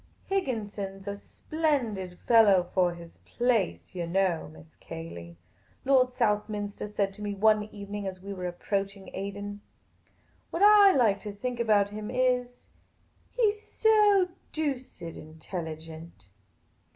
" Higginson 's a splendid fellow for his place, yah know. Miss Cayley," Lord Southminster said to me one ev^ening as we were approaching Aden. " What I like about him is, he 's so doosid intelligent."